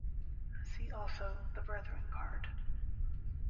See also The Brethren Card.